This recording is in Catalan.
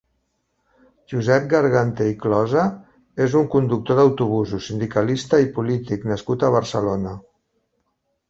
Josep Garganté i Closa és un conductor d'autobusos, sindicalista i polític nascut a Barcelona.